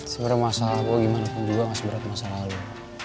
sebenernya masalah gue gimana pun juga gak seberat masalah lo